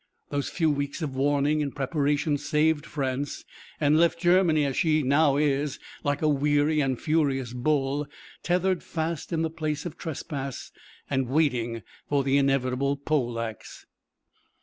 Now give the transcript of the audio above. Those few weeks of warning and preparation saved France, and left Germany as she now is, like a weary and furious bull, tethered fast in the place of trespass and waiting for the inevitable pole axe.